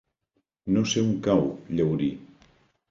No sé on cau Llaurí.